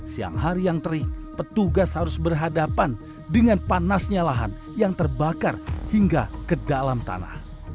siang hari yang terik petugas harus berhadapan dengan panasnya lahan yang terbakar hingga ke dalam tanah